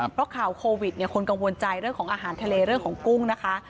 เพราะข่าวโควิดคนกังวลใจเรื่องของอาหารทะเลเรื่องของกุ้งนะคะ